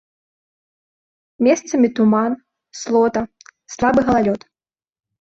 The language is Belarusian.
Месцамі туман, слота, слабы галалёд.